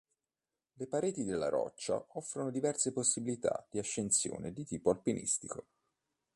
Le pareti della Rocca offrono diverse possibilità di ascensione di tipo alpinistico.